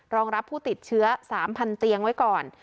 รองรับผู้ติดเชื้อ๓๐๐เตียงไว้ก่อน